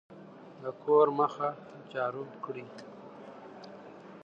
د کور مخه جارو کړئ.